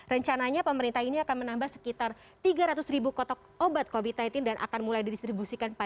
rencananya pemerintah ini akan menambah sekitar tiga ratus ribu kotak obat covid sembilan belas dan akan mulai didistribusikan pada